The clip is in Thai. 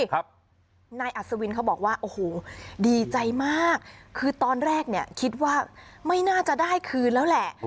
นายอัศวินเขาบอกว่าโอ้โหดีใจมากคือตอนแรกเนี่ยคิดว่าไม่น่าจะได้คืนแล้วแหละ